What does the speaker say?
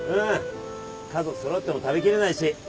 家族揃っても食べきれないし。